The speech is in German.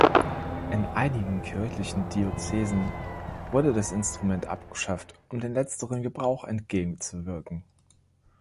In einigen kirchlichen Diözesen wurde das Instrument abgeschafft, um dem letzteren Gebrauch entgegenzuwirken.